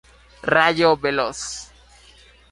Rayo veloz.